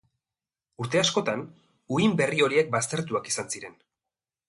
Urte askotan, uhin berri horiek baztertuak izan ziren.